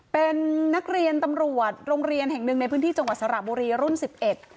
เป็นนักเรียนตำรวจโรงเรียนแห่งหนึ่งในพื้นที่จังหวัดสระบุรีรุ่นสิบเอ็ด